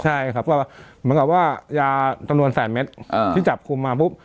ใช่ครับก็เหมือนกับว่ายาจำนวนแสนเม็ดที่จับคุมมาปุ๊บ